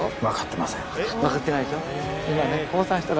分かってないでしょ？